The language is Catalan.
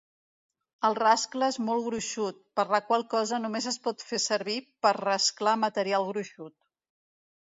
El rascle és molt gruixut, per la qual cosa només es pot fer servir per rasclar material gruixut.